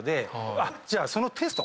じゃあそのテスト。